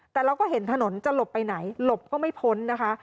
แต่เราก็เห็นถนนจะหลบไปไหนหลบก็ไม่พ้นนะคะ